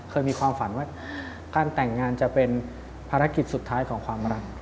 เคยมีความฝันว่าการแต่งงานจะเป็นภารกิจสุดท้ายของความรัก